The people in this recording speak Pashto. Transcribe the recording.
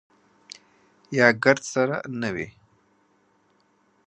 یا ګرد سره نه وي.